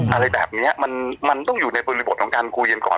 อะไรแบบนี้มันต้องอยู่ในบริบทของการคุยกันก่อน